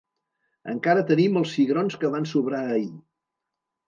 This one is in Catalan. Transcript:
Encara tenim els cigrons que van sobrar ahir.